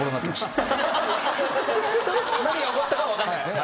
何が起こったかは分かんないです。